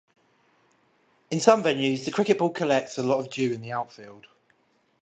In some venues, the cricket ball collects a lot of dew in the outfield.